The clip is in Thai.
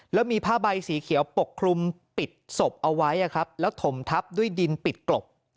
แล้วมีผ้าใบสีเขียวปกคลุมปิดศพเอาไว้แล้วถมทับด้วยดินปิดกลบ